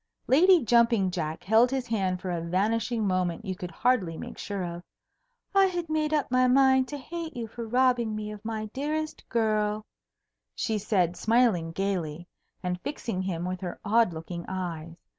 Lady Jumping Jack held his hand for a vanishing moment you could hardly make sure of. "I had made up my mind to hate you for robbing me of my dearest girl," she said, smiling gayly, and fixing him with her odd looking eyes.